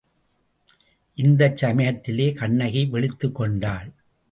இந்தச் சமயத்திலே கண்ணகி விழித்துக்கொண்டாள்.